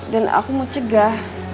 dan aku mau cegah